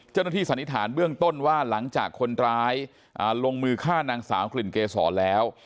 สันนิษฐานเบื้องต้นว่าหลังจากคนร้ายลงมือฆ่านางสาวกลิ่นเกษรแล้ว